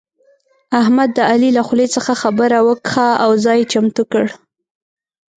احمد د علي له خولې څخه خبره وکښه او ځای يې چمتو کړ.